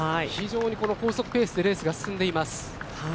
非常にこの高速ペースでレースが進んでいます。